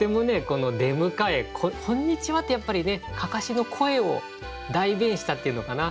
この「でむかえこんにちは」ってやっぱり案山子の声を代弁したっていうのかな。